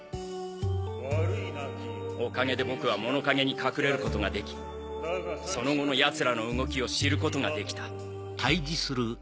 悪いなキールおかげで僕は物陰に隠れることができその後の奴らの動きを知ることができた。